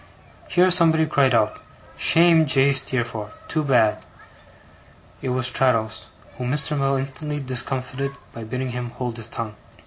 Here somebody cried out, 'Shame, J. Steerforth! Too bad!' It was Traddles; whom Mr. Mell instantly discomfited by bidding him hold his tongue.